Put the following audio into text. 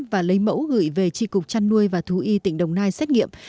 và lấy mẫu gửi về tri cục trăn nuôi và thú y tỉnh đồng nai xét nghiệm